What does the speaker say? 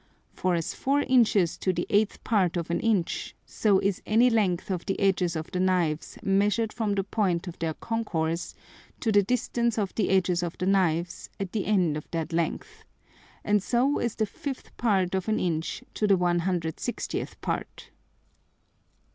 For as four Inches to the eighth Part of an Inch, so is any Length of the edges of the Knives measured from the point of their concourse to the distance of the edges of the Knives at the end of that Length, and so is the fifth Part of an Inch to the 160th Part.